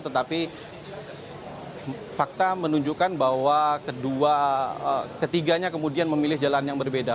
tetapi fakta menunjukkan bahwa ketiganya kemudian memilih jalan yang berbeda